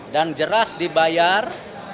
dan jelas dibayar